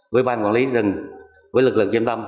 với ban quản lý rừng với lực lượng chiêm đâm